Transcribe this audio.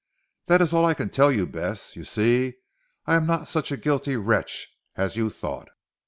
That is all I can tell you Bess, you see I am not such a guilty wretch as you thought."